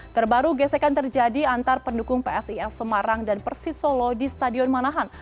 terbaru gesekan terjadi antar pendukung psis semarang dan persisolo di stadion manahan